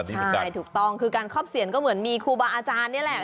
ใช่ถูกต้องคือการครอบเสียนก็เหมือนมีครูบาอาจารย์นี่แหละ